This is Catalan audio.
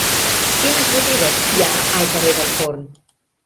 Quines botigues hi ha al carrer del Forn?